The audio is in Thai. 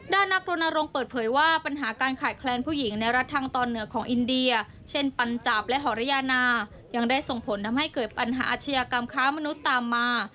ด้านนักรณรงค์เปิดเผยว่าปัญหาการขาดแคลนผู้หญิงในรัฐทางตอนเหนือของอินเดียเช่นปัญจาบและหอรยานายังได้ส่งผลทำให้เกิดปัญหาอาชญากรรมค้ามนุษย์ตามมา